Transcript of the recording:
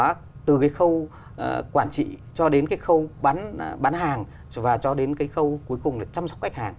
đồng bộ hóa từ cái khâu quản trị cho đến cái khâu bán hàng và cho đến cái khâu cuối cùng là chăm sóc khách hàng